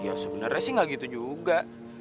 ya sebenarnya sih nggak gitu juga